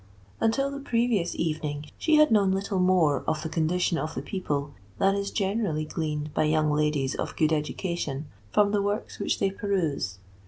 Until the previous evening she had known little more of the condition of the people than is generally gleaned by young ladies of good education from the works which they peruse.